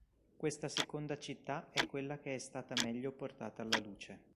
Questa seconda città è quella che è stata meglio portata alla luce.